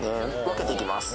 分けていきます